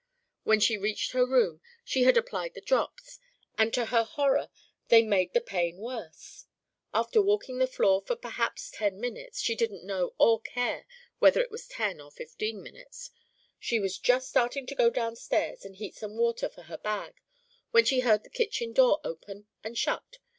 When she reached her room she had applied the drops, and to her horror they made the pain worse. After walking the floor for perhaps ten minutes she didn't know or care whether it was ten or fifteen minutes she was just starting to go down stairs and heat some water for her bag when she heard the kitchen door open and shut.